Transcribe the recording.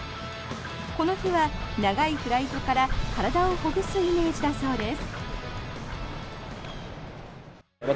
この日は、長いフライトから体をほぐすイメージだそうです。